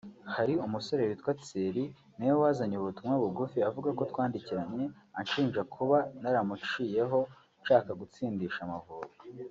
Hari umusore witwa Thierry ni we wazanye ubutumwa bugufi avuga ko twandikiranye anshinja kuba naramuciyeho nshaka gutsindisha Amavubi